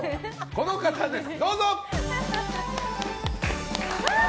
この方です。